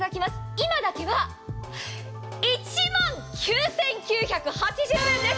今だけは１万９９８０円です！